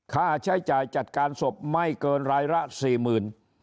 ค่าใช้จ่ายจัดการศพไม่เกินรายละสี่หมื่น